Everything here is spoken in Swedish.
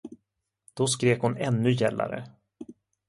Då skrek hon ännu gällare.